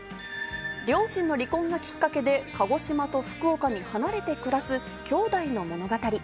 両親の離婚がきっかけで鹿児島と福岡に離れて暮らす兄弟の物語。